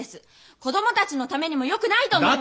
子供たちのためにもよくないと思います。